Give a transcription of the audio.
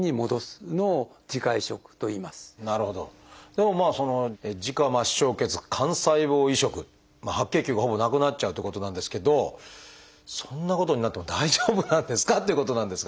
でもまあその自家末梢血幹細胞移植白血球がほぼなくなっちゃうってことなんですけどそんなことになっても大丈夫なんですか？っていうことなんですが先生。